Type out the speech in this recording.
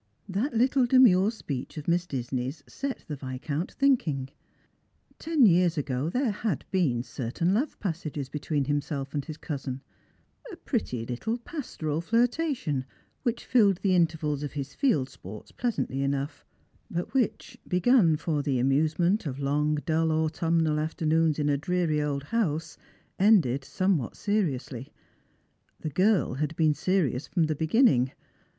That little demure speech of Miss Disney's set the Viscount thinking. Ten years ago there had been certain love passagea between himself and his cousin — a pretty little pastoral flirtation, which filled the intervals of his field sports plcasantlf Strangers and Pilgrims. 275 «nougli — but which, begun for the amusement of long dull eutumnal afternoons in a dreary old house, ended somewhat ceriously. The girl had been serious from the beginning.